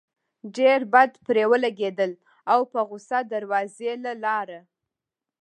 ډېر بد پرې ولګېدل او پۀ غصه دروازې له لاړه